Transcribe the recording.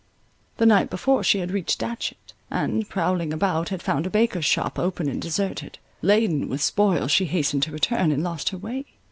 The night before, she had reached Datchet; and, prowling about, had found a baker's shop open and deserted. Laden with spoil, she hastened to return, and lost her way.